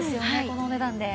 このお値段で。